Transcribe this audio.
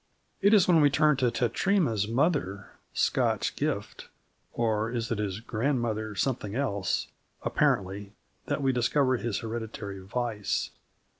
It is when we turn to Tetratema's mother, Scotch Gift or is it his grandmother something else? apparently, that we discover his hereditary vice.